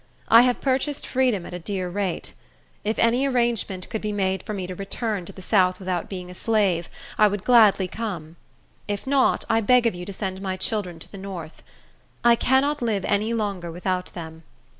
I have purchased freedom at a dear rate. If any arrangement could be made for me to return to the south without being a slave, I would gladly come. If not, I beg of you to send my children to the north. I cannot live any longer without them.